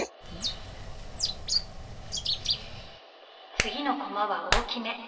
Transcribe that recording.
次のコマは大きめ。